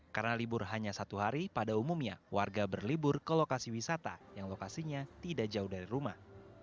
karena libur hanya satu hari pada umumnya warga berlibur ke lokasi wisata yang lokasinya tidak jauh dari rumah